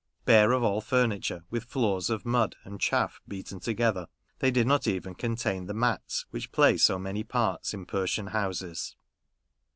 Bare of all fur niture, with floors of mud and chaff beaten together, they did not even contain the mats which play so many parts in Persian houses.